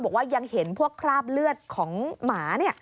บอกว่ายังเห็นพวกคราบเลือดของหมาเนี่ย